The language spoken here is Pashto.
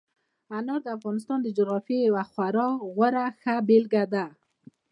انار د افغانستان د جغرافیې یوه خورا غوره او ښه بېلګه ده.